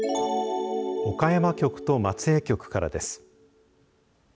岡山局と松江局からです。